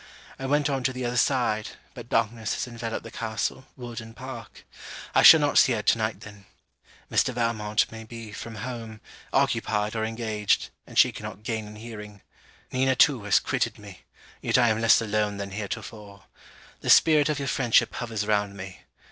I went on to the other side, but darkness has enveloped the castle, wood, and park. I shall not see her to night then. Mr. Valmont may be from home, occupied or engaged; and she cannot gain an hearing. Nina too has quitted me; yet I am less alone than heretofore. The spirit of your friendship hovers round me.